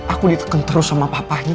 aku ditekan terus sama papanya